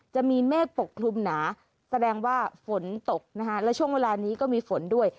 เมฆปกคลุมหนาแสดงว่าฝนตกนะคะและช่วงเวลานี้ก็มีฝนด้วย